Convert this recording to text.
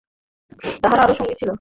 তাঁহার আরও সঙ্গী ছিল।